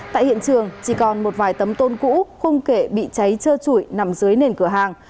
tại hiện trường chỉ còn một vài tấm tôn cũ không kể bị cháy trơ trụi nằm dưới nền cửa hàng